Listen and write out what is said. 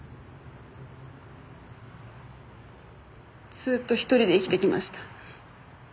ずーっと１人で生きてきました。